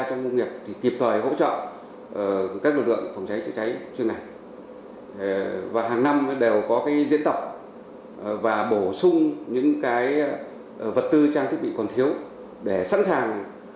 chứa cháy kịp thời cho các thành viên